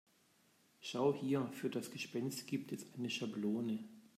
Schau hier, für das Gespenst gibt es eine Schablone.